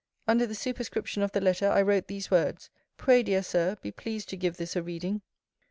Under the superscription of the letter, I wrote these words: 'Pray, dear Sir, be pleased to give this a reading.'